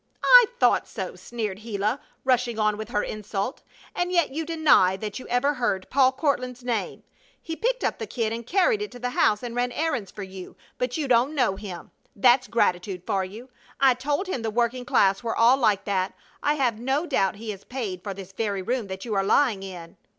"I thought so!" sneered Gila, rushing on with her insult. "And yet you deny that you ever heard Paul Courtland's name! He picked up the kid and carried it in the house and ran errands for you, but you don't know him! That's gratitude for you! I told him the working class were all like that. I have no doubt he has paid for this very room that you are lying in!"